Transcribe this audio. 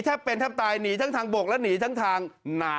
แทบเป็นแทบตายหนีทั้งทางบกและหนีทั้งทางหนา